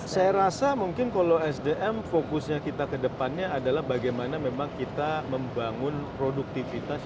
saya rasa mungkin kalau sdm fokusnya kita ke depannya adalah bagaimana memang kita membangun produktivitas